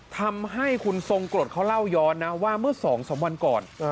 ทำให้คุณทรงกรดเขาเล่าย้อนนะว่าเมื่อ๒๓วันก่อน